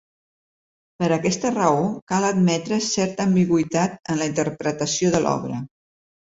Per aquesta raó, cal admetre certa ambigüitat en la interpretació de l'obra.